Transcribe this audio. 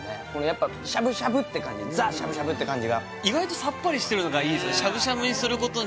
やっぱしゃぶしゃぶって感じザ・しゃぶしゃぶって感じが意外とさっぱりしてるのがいいんですよ